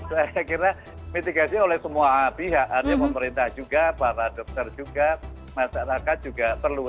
saya kira mitigasi oleh semua pihak ada pemerintah juga para dokter juga masyarakat juga perlu